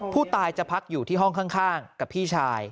ผู้ตายจะพักอยู่ที่ห้องข้างกับพี่ชาย